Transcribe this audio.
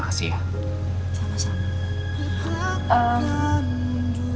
hanya ceritain ke kamu